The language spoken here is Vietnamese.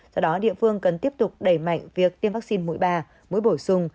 do đó địa phương cần tiếp tục đẩy mạnh việc tiêm vaccine mũi ba mũi bổ sung